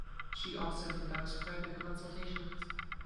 She also conducts private consultations.